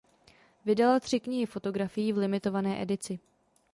Vydala tři knihy fotografií v limitované edici.